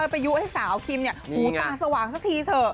ไปยุ้ยสาวคิมเนี่ยหูตาสว่างสักทีเถอะ